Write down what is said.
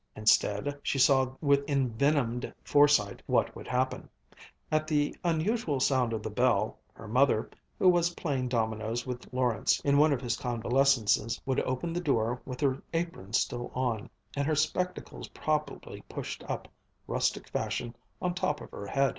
Instead she saw with envenomed foresight what would happen. At the unusual sound of the bell, her mother, who was playing dominoes with Lawrence in one of his convalescences, would open the door with her apron still on, and her spectacles probably pushed up, rustic fashion, on top of her head.